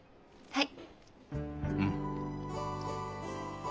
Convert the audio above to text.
はい。